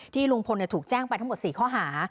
ลุงพลถูกแจ้งไปทั้งหมด๔ข้อหา